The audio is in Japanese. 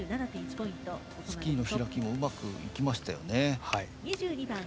スキーの開きもうまくいきましたよね。